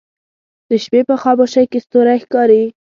د شپې په خاموشۍ کې ستوری ښکاري